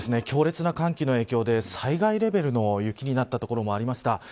強烈な寒気の影響で災害レベルの雪になった所もありました。